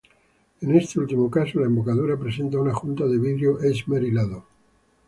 En este último caso, la embocadura presenta una junta de vidrio esmerilado.